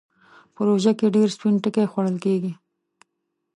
په روژه کې ډېر سپين ټکی خوړل کېږي.